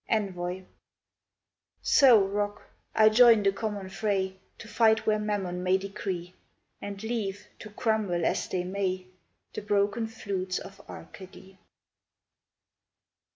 ENVOY So, Rock, I join the common fray, To fight where Mammon may decree; And leave, to crumble as they may, The broken flutes of Arcady.